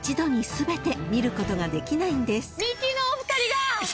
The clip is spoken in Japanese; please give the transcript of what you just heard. ミキのお二人が！